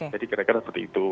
jadi kira kira seperti itu